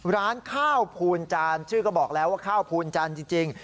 ร้านข้าวพูนจานชื่อก็บอกแล้วว่าข้าวพูนจันทร์จริง